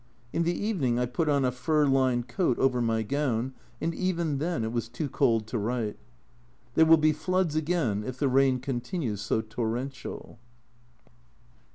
In the evening I put on a fur lined coat over my gown, and even then was too cold to write. There will be floods again if the rain continues so torrential.